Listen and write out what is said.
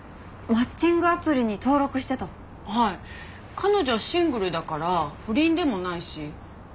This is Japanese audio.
彼女シングルだから不倫でもないし。